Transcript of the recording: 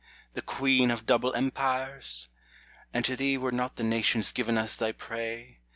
The Queen of double Empires ! and to thee [*5] Were not the nations given as thy prey